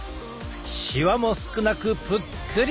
しわも少なくぷっくり。